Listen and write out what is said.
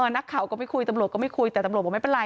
นักข่าวก็ไม่คุยตำรวจก็ไม่คุยแต่ตำรวจบอกไม่เป็นไร